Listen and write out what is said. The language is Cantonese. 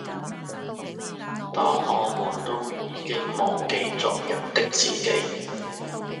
當我們都已經忘記昨日的自己